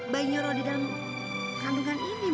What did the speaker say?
bayinya rok di dalam kandungan ini mak